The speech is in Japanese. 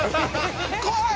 怖い。